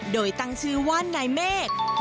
โดยตั้งชื่อว่านายเมฆ